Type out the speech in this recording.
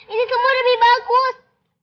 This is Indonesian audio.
ini semua lebih bagus